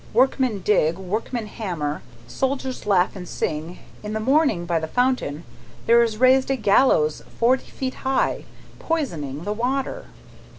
Workmen dig, workmen hammer, soldiers laugh and sing; in the morning, by the fountain, there is raised a gallows forty feet high, poisoning the water."